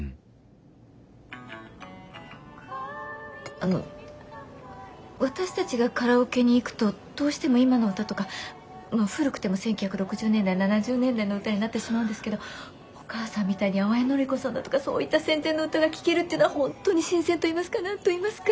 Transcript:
あの私たちがカラオケに行くとどうしても今の歌とか古くても１９６０年代７０年代の歌になってしまうんですけどお母さんみたいに淡谷のり子さんだとかそういった戦前の歌が聴けるっていうのは本当に新鮮といいますか何といいますか。